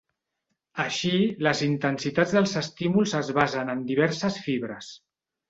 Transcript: Així, les intensitats dels estímuls es basen en diverses fibres.